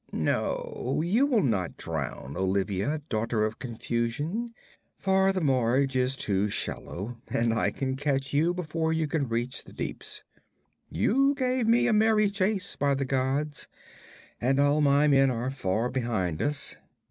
'No, you will not drown, Olivia, daughter of confusion, for the marge is too shallow, and I can catch you before you can reach the deeps. You gave me a merry chase, by the gods, and all my men are far behind us.